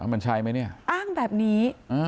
มันใช่ไหมเนี่ยอ้างแบบนี้